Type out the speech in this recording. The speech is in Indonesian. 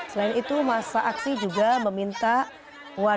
selain itu masa aksi juga meminta wadah pegawai kpk untuk dibubarkan